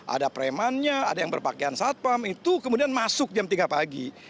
ada premannya ada yang berpakaian satpam itu kemudian masuk jam tiga pagi